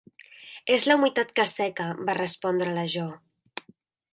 "És la humitat que asseca", va respondre la Jo.